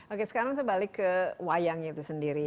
oke sekarang saya balik ke wayangnya itu sendiri